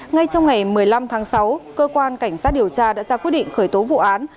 ngay trong ngày một mươi năm tháng sáu cơ quan cảnh sát điều tra đã ra quyết định khởi tố vụ án